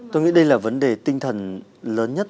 tôi nghĩ đây là vấn đề tinh thần lớn nhất